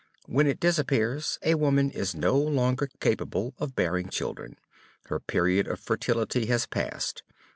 When it disappears a woman is no longer capable of bearing children. Her period of fertility has passed.